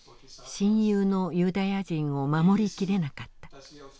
「親友のユダヤ人を守りきれなかった」。